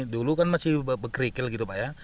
dulu kan masih berkerikil gitu pak ya